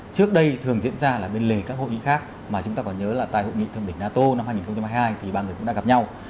trước đây thường diễn ra là bên lề các hội nghị khác mà chúng ta còn nhớ là tại hội nghị thượng đỉnh nato năm hai nghìn hai mươi hai thì ba người cũng đã gặp nhau